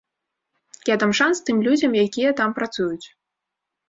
Я дам шанс тым людзям, якія там працуюць.